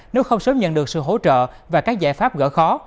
nếu không sớm nhận được sự hỗ trợ và các giải pháp gỡ khó